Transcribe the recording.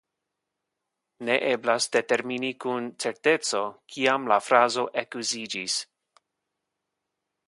Ne eblas determini kun certeco kiam la frazo ekuziĝis.